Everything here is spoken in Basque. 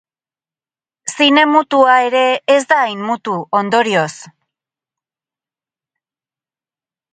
Zine mutua ere ez da hain mutu, ondorioz.